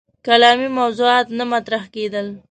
کلامي موضوعات نه مطرح کېدل.